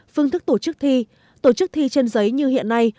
phương thức tổ chức thi tổ chức thi trên giấy như hiện nay